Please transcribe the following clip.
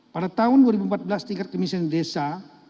pada tahun dua ribu empat belas tingkat kemiskinan desa